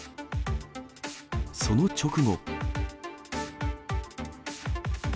その直後。